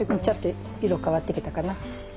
ちょっと色変わってきたかな。